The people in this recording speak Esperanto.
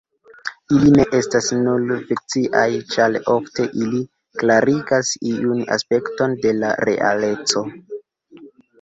Ili ne estas nur fikciaj, ĉar ofte ili klarigas iun aspekton de la realeco.